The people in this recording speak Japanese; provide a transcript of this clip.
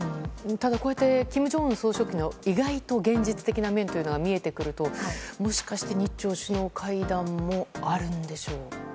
ただ、こうやって金正恩総書記の意外と現実的な面が見えてくるともしかして日朝首脳会談もあるんでしょうか。